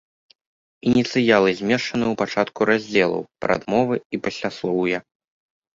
Ініцыялы змешчаны ў пачатку раздзелаў, прадмовы і пасляслоўя.